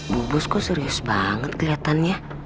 bubus kok serius banget kelihatannya